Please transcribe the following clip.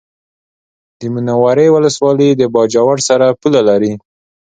د منورې ولسوالي د باجوړ سره پوله لري